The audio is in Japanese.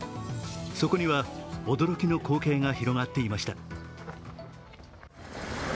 そこには驚きの光景が広がっていました。